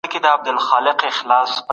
که مشر پوه نه وي ټولنه خرابیږي.